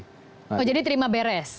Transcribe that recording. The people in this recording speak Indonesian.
oh jadi terima beres